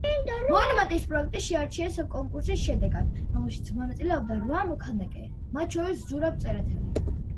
მონუმენტის პროექტი შეარჩიეს კონკურსის შედეგად, რომელშიც მონაწილეობდა რვა მოქანდაკე, მათ შორის ზურაბ წერეთელი.